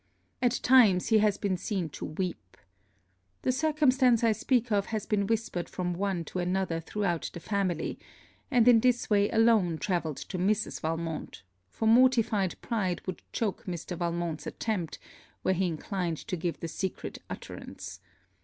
At times he has been seen to weep. The circumstance I speak of has been whispered from one to another throughout the family; and in this way alone travelled to Mrs. Valmont for mortified pride would choak Mr. Valmont's attempt, were he inclined to give the secret utterance.